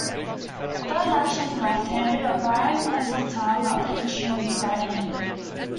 Although naturally left-handed, O'Brien plays the guitar and other instruments right-handed.